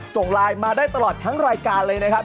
ส่งไลน์มาได้ตลอดทั้งรายการเลยนะครับ